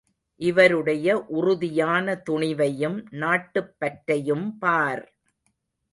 இவருடைய உறுதியான துணிவையும் நாட்டுப் பற்றையும் பார்!